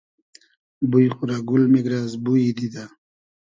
بوی خو رۂ گول میگرۂ از بویی دیدۂ